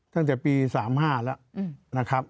ตั้งแต่ปี๓๕แล้วนะครับ